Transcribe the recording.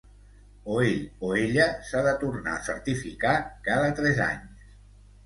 O ell o ella s'ha de tornar a certificar cada tres anys.